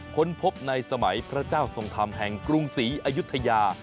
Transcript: ค้นพบในสมัยพระเจ้าทรงธรรมแห่งกรุงศรีอายุทยา